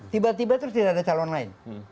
tiba tiba terus tidak ada calon lain